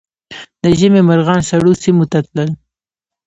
د ژمي مرغان سړو سیمو ته تلل